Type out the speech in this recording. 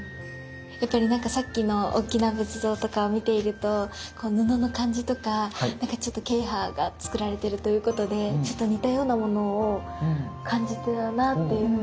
やっぱりなんかさっきの大きな仏像とかを見ていると布の感じとか慶派がつくられてるということでちょっと似たようなものを感じたなというふうに思います。